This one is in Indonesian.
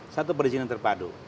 satu perizinan terpadu